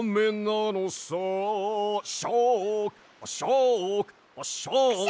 「シャークシャークシャーク」